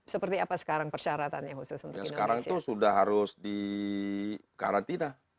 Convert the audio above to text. seperti apa sekarang persyaratannya khusus untuk indonesia sekarang itu sudah harus dikarantina